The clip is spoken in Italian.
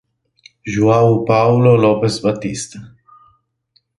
João Paulo Lopes Batista